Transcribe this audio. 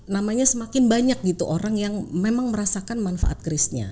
namanya semakin banyak gitu orang yang memang merasakan manfaat krisnya